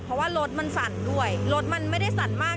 เพราะว่ารถมันสั่นด้วยรถมันไม่ได้สั่นมาก